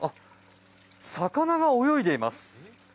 魚が泳いでいます。